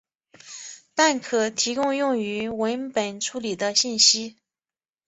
但可提供用于文本处理的信息。